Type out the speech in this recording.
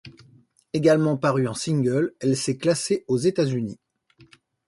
Également parue en single, elle s'est classée aux États-Unis.